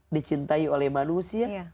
dicintai oleh manusia